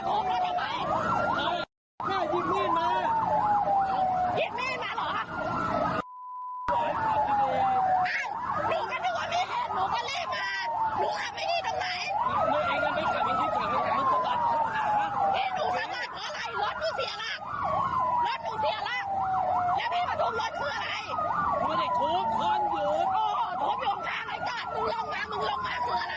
ทุกคนอยู่โถมอย่างกะนึงล่องมามึงล่องมาคืออะไร